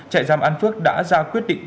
trại giam an phước đã ra quyết định